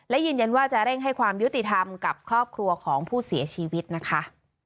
และยืนยันว่าจะเร่งให้ความยุติธรรมกับครอบครัวของผู้เสียชีวิตนะคะ